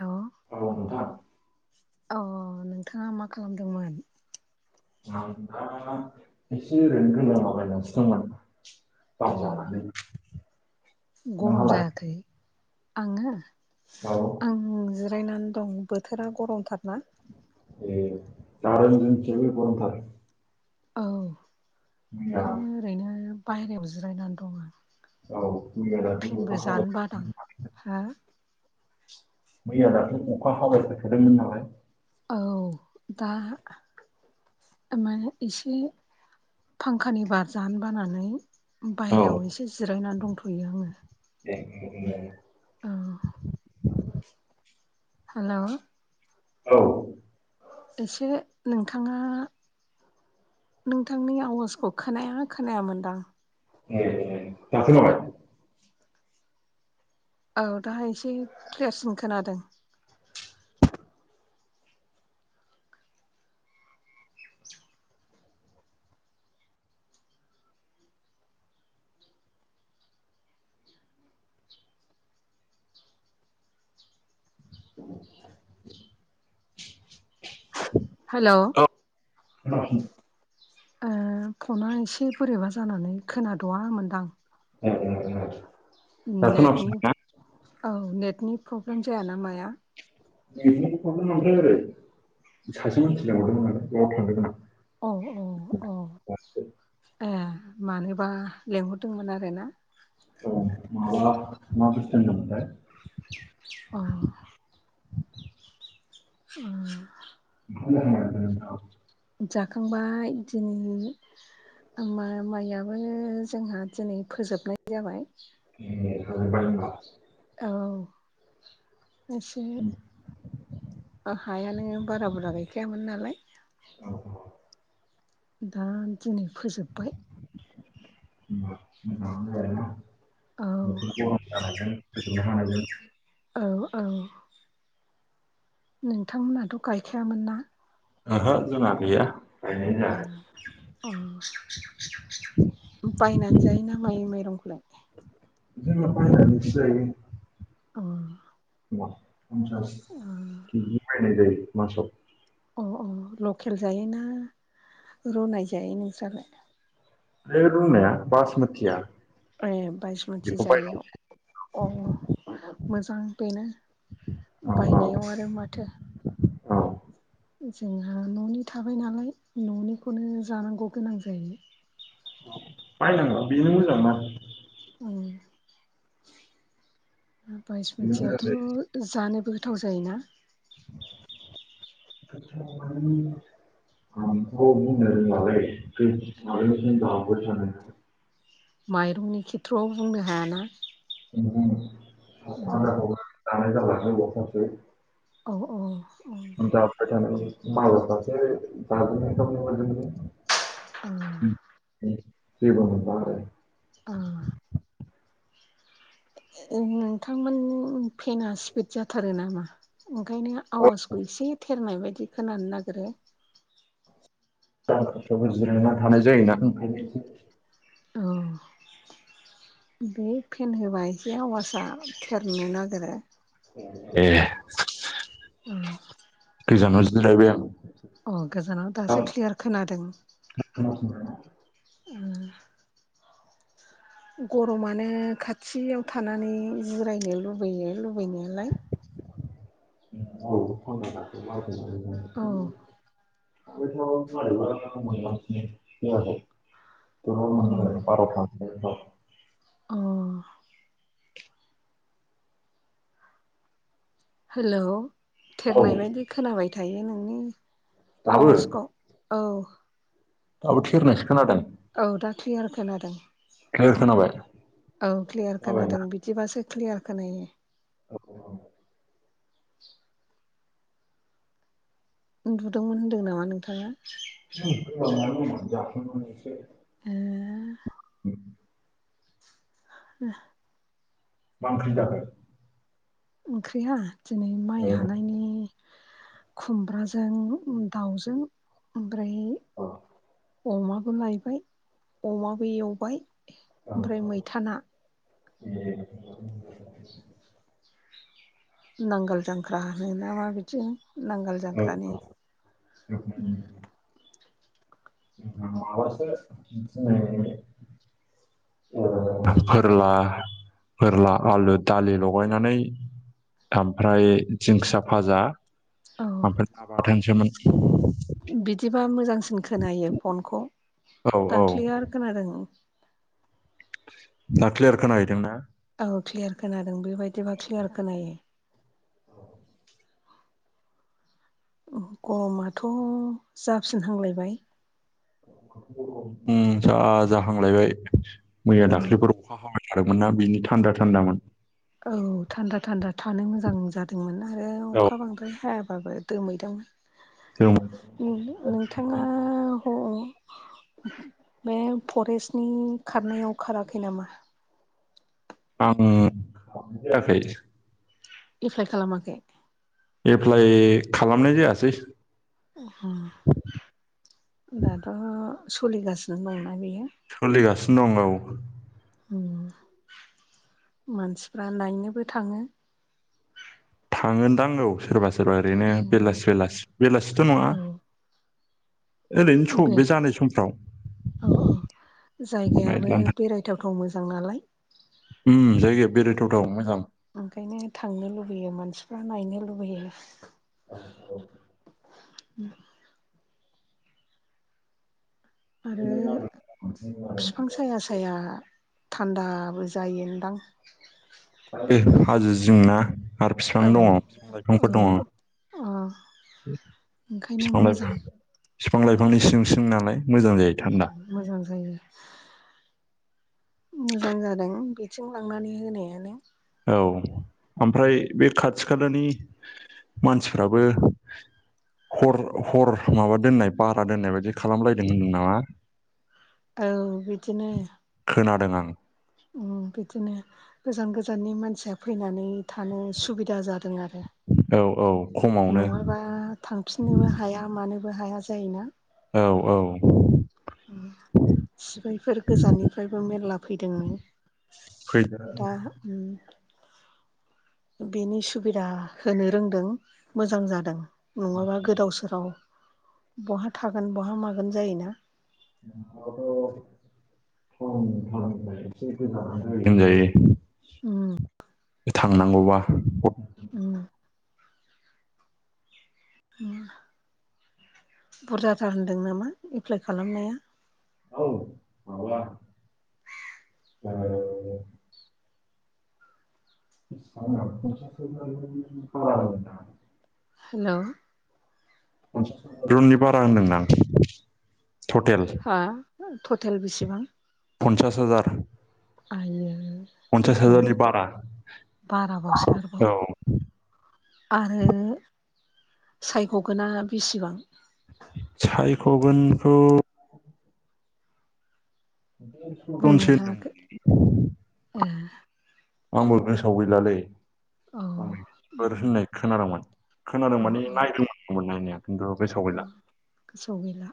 अ औ नोंथां अ नोंथाङा मा खालामदोंमोन? आं दा एसे ओरैनो गोलांलाबायनानैसो दंमोन। खाम अ जानानै गरम नोंहालाय जायाखै आङो औ आं जो रायनानै दं बोथोरा गरमथारना। ए जादों जोंनिथिंबो गरमथार औ मैया ओंखायनो ओरैनो बायहेरायाव जिरायनानै दं आं औ मिया दाख्लैबो फेनबो अखा जानो बादां हा [unintelligible] मैया दाख्लै अखा हाबाय थाखादोंमोन नालाय औ दा ओ माने इसे फांखानि बार जानो बानानै औ बायहेरायाव एसे जिरायनानै दंथ'यो आङो। [unintelligible] औ हलौ औ एसे नोंथाङा नोंथांनि आवाजखौ खोनाया खोनाया मोनदां ओम ओम दा खोनाबाय औ दा एसे क्लियारसिन खोनादों [unintelligible] हेलौ [unintelligible] ओ फना एसे बोरैबा जानानै खोनाद'आमोनदां [unintelligible] दा नेटनि खोनाफिनबाय ना औ नेटनि प्रब्लेम जायाना माया नेटनि प्रब्लेम मोनदों सासे मानसि लेंहरदोमोन नालाय बेआव थांदोंमोन आं अ अ अ ए मानोबा लेंंहरदोंमोन आरो ना औ माबा मा बुस्थु होनदोंमोनथाय अ ओह [unintelligible] जाखांबाय दिनै ओम माइआबो जोंहा दिनै फोजोबनाय जाबाय [unintelligible] औ इसे आ हाया नो बारा बुरा गैखायामोन नालाय दा दिनै फोजोबबाय बे [unintelligible] औ हाथों। [inaudible] औ औ नोंथांमोनहाथ' गायखायामोन ना ओहो जोंना गैया गायनाय जाया। उम उम बायनानै जायोना माइ माइरंखौलाय जोङो बायनानैसो जायो ओ समाव फ'नसास केजि बिदिनो बायनाय जायो मासआव अ अ लकेल जायो ना हो रुनाय जायो नोंस्रालाय बे रुनाया बासमतिआ ए बायसमुथि जायो ओ मोजां बेनो औ उम औ बायनायाव आरो माथो औ जोंहा न'नि थाबाय नालाय न'निखौनो जानांगौ गोनां जायो बायनांआ बेनो मोजां ना उम बायस बेनो मोजां मुथिआथ' जायो। जानोबो गोथाव जायोना [inaudible] उम आंथ' बुंनो रोंलालै [inaudible] माइरंनि खेथ्र'आव बुंनो हायाना उम उम लानो बससै [unintelligible] औ औ मोन मस जाजनि मोन [unintelligible] उम जेबो नङा आरो उम ए उम औ नोंथांमोन फेनाआ स्पिड जाथारो नामा ओंखायनो आवाजखौ एसे थेरनाय बादि खोनानो नागिरो बो जिरायना थानाय जायोना औ बे फेन होबा एसे आवासआ थेरनो नागिरो एह ओम गोजानाव जिरायबाय आं ओ गोजानाव दा दासो क्लियार खोनादों खोनासंदों ना? गरमानो खाथिआव थानानै जिरायनो लुबैयो लुबैनायालाय औ फन्द [inaudible] औ [inaudible] अह। [inaudible] अह। हेलौ औ थेरनाय बादि खोनाबाय थायो नोंनि दाबो आवाजखौ। ओ। दाबो थेरनायसो खोनादों? औ दा क्लियार खोनादों क्लियार खोनाबाय औ क्लियार खोनादों जाबायना बि बिदिबासो क्लियार खोनायो। औ औ औ। उन्दुदोंमोन होन्दों नामा नोंथाङा? [inaudible] [inaudible] [inaudible] मा ओंख्रि जाखो? ओंख्रिया दिनै माइ हानायनि खुमब्राजों दाउजों ओमफ्राय औ अमाबो लायबाय, अमाबो एवबाय, औ ओमफ्राय मैथा ना। [inaudible] नांगाल जांख्रा होनो ना मा बिथिं नांगोल जांख्रानि। [unintelligible] फोरला फोरला आलु दालि लगायनानै आमफ्राय दिंखिया भाजा। औ आमफ्राय ना बाथोनसोमोन। बिदिबा मोजांसिन खोनायो फनखौ औ दा औ क्लियार खोनादों। दा क्लियार खोनाहैदों ना? औ क्लियार खोनादों बेबायदिबा क्लियार खोनायो। गरमाथ' जाफिनहांलायबाय। उम जा जाहांलायबाय मैया औ दाख्लिफोर अखा हाबाय थादोंमोनना बिनि थान्दा थान्दामोन। औ थान्दा थान्दा थानो मोजां जादोंमोन आरो औ अखा बांद्राय हायाबाबो दोमैदोंमोन। [inaudible] उम नोंथाङा ह बे फरेस्टनि खारनायाव खाराखै नामा? आं खारनाय जायाखै। एप्लाइ खालामाखै? एप्लाइ खालामनाय जायासै। दाथ' सलिगासिनो दंना बियो। सलिगासिनो दं औ। उम मानसिफ्रा नायनोबो थाङो। थाङोनदां औ सोरबा सोरबा ओरैनो बेलासे बेलासे बेलासेथ' औ नङा। ओरैनो सम बे जानाय समफ्राव। औ औ जायगायाबो नायलानोसै बेरायथावथाव मोजां नालाय। जायगाया बेरायथावथाव मोजां। ओंखायनो थांनो लुबैयो मानसिफ्रा नायनो लुबैयो। औ औ [inaudible] आरो फिफां साया साया थान्दाबो जायोनदां। बे हाजो जंना आरो औ बिफां दङ बिफां औ लाइफांफोर दङ [unintelligible] अ ओंखायनो बिफां लाइफां मोजां। बिफां लाइफांनि सिं सिं नालाय। मोजां जायो थान्दा मोजां जायो। मोजां जादों बेथिं लांनानै होनायानो। औ ओमफ्राय बे खाथि खालानि मानसिफ्राबो हर हर माबा दोननाय भारा दोननाय बायदि खालामलायदों होनदों नामा। औ बिदिनो। खोनादों आं। बिदिनो गोजान गोजाननि मानसिया फैनानै थानो सुबिदा जादों आरो। औ औ खमावनो। माबा थांफिननोबो हाया मानोबो हाया जायोना। औ औ। सिबायफोर गोजाननिफ्रायबो मेरला फैदोंनो। फग [inaudible] दा ओम बेनि सुबिदा होनो रोंदों मोजां जादों नङाबा गोदाव सोराव बहा थागोन बहा मागोन जायोना। [unintelligible] जायो। उम। थांनांगौबा उम। बुरजाथार होनदों नामा एप्लाइ खालामनाया। औ उम [inaudible] औ [inaudible] हेल'। रुमनि बारा होनदों आं टटेल। आं टटेल बेसेबां? पन्सास हाजार। आइय पन्सास थैखाबाय हाजारनि बारा बाराबावसो आरोबाव। औ आरो सायख'गोना बेसेबां? सायख'गोनखौ दनसो बुंनो हायाखै होनदोंमोन ओ। आंबो गोसोआव गैलालै औ [unintelligible] अ होननाय खोनादोंमोन। खोनादों माने अ नायदोंमोने माने नायनाया खिन्थु गोसोआव अ गैला। गोसोआव गैला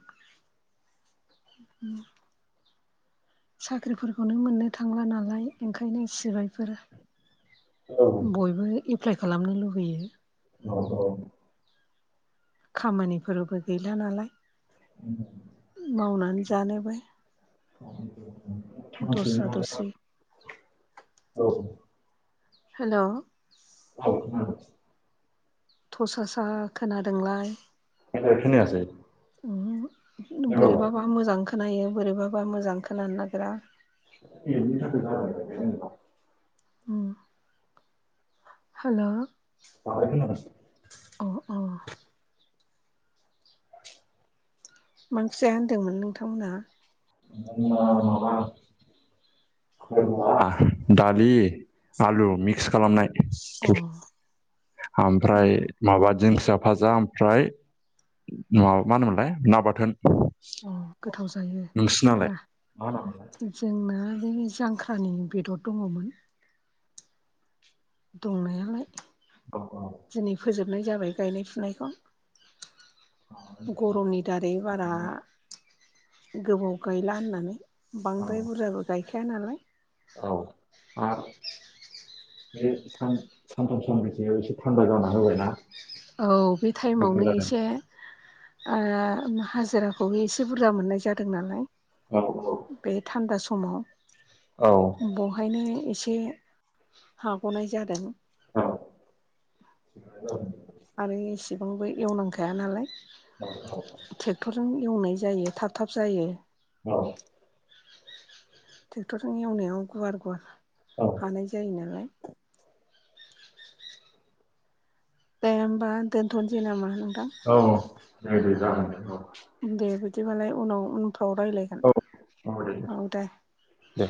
साख्रिफोरखौनो मोननो थांला नालाय ओंखायनो सिबायफोर औ बयबो एप्लाइ खालामनो लुबैयो। औ औ। खामानिफोरबो गैला नालाय। उ [unintelligible] मावनानै जानोबो। दस्रा औ दस्रि [unintelligible] हेल'। औ। थसा सा खोनादोंलाय। मोजां खोनायासै। औ बोरैबाबा मोजां खोनायो बोरैबाबा मोजां खोनानो नागिरा। [unintelligible] उम हेल' [unintelligible] औ औ मा ओंखि जाया होनदोंमोन नोंथांमोनहा औ माबा दालि आलु मिक्स खालामनाय अ अ ओमफ्राय माबा दिंखिया भाजा ओमफ्राय मा मा होनोमोनलाय ना बाथोन। अ गोथाव जायो नोंसोरनालाय? ना जोंना जोंनि जांख्रानि बेदर दङमोन दंनायालाय औ औ दिनै फोजोबनाय जाबाय गायनाय फुनायखौ गरमनि दारै बारा गोबाव गायला होननानै औ बांद्राय बुरजाबो गाय गखाया नालाय औ आरो बे सानथाम सान्रैसो एसे थान्दा जानना होबायना औ बे मोजां टाइमावनो जादों एसे ओ हाजिराखौबो एसे बुरजा मोननाय जादों नालाय औ औ बे थान्दा समाव औ बेवहायनो एसे हाग'नाय जादों औ आरो एसेबांबो एवनांखाया नालाय औ औ ट्रेक्टरजों एवनाय जायो थाब थाब जायो। औ ट्रेक्टरजों एवनायाव गुवार गुवार औ हानाय जायो नालाय दे होमबा दोनथ'नोसै नामा नोंथां? औ दे दे जागोन द औ। दे बिदिबालाय उनाव उनफ्राव राय्लायगोन औ दे औ दे। दे।